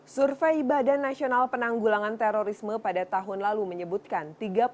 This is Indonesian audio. survei badan nasional penanggulangan terorisme pada tahun lalu menyebutkan